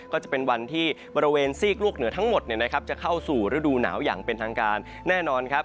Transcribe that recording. ก็จะเป็นวันที่บริเวณซีกโลกเหนือทั้งหมดจะเข้าสู่ฤดูหนาวอย่างเป็นทางการแน่นอนครับ